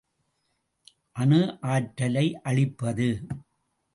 அணு ஆற்றலை அளிப்பது.